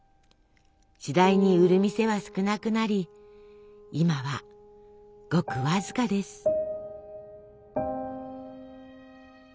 次第に売る店は少なくなり今はごくわずかです。